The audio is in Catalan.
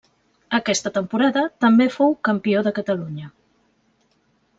Aquesta temporada també fou Campió de Catalunya.